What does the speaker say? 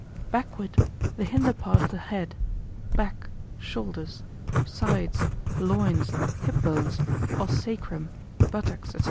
backward, the hinder part of the head, back, shoulders, sides, loins, hipbones, os sacrum, buttocks, &c.